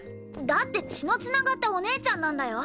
だって血の繋がったお姉ちゃんなんだよ！？